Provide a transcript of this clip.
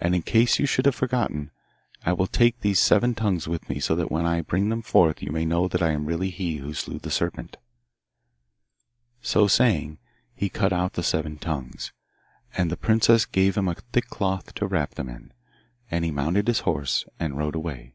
And in case you should have forgotten, I will take these seven tongues with me so that when I bring them forth you may know that I am really he who slew the serpent.' So saying he cut out the seven tongues, and the princess gave him a thick cloth to wrap them in; and he mounted his horse and rode away.